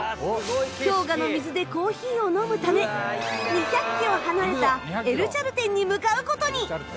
氷河の水でコーヒーを飲むため２００キロ離れたエル・チャルテンに向かう事に！